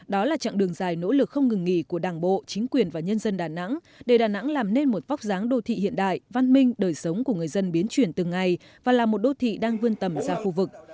đó là chặng đường dài nỗ lực không ngừng nghỉ của đảng bộ chính quyền và nhân dân đà nẵng để đà nẵng làm nên một vóc dáng đô thị hiện đại văn minh đời sống của người dân biến chuyển từng ngày và là một đô thị đang vươn tầm ra khu vực